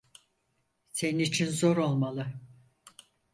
Senin için zor olmalı.